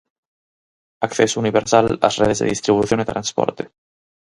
Acceso universal ás redes de distribución e transporte.